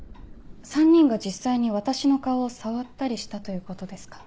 ３人が実際に私の顔を触ったりしたということですか？